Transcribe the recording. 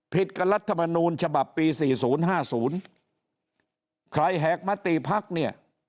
ผิดกับรัฐมนูลฉบับปี๔๐๕๐ใครแหกมติภักดิ์เนี่ย